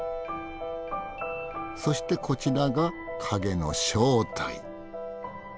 そしてこちらが影の正体。